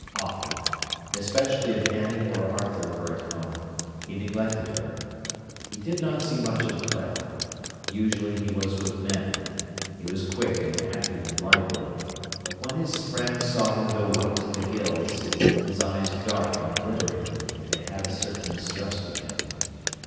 Often, especially if Annie or Arthur were at home, he neglected her. He did not see much of Clara. Usually he was with men. He was quick and active and lively; but when his friends saw him go white to the gills, his eyes dark and glittering, they had a certain mistrust of him.